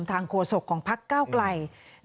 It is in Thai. ทางโฆษกของพรรคก้าวกลาย